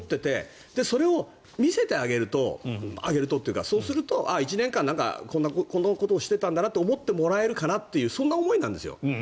それを見せてあげるとあげるとというか、そうすると１年間こんなことをしてたんだなと思ってもらえるかなっていうそんな思いなんですよ。